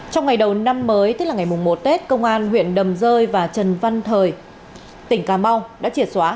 trong ngày đầu năm mới tức là ngày một tết công an huyện đầm rơi và trần văn thời tỉnh cà mau đã triệt xóa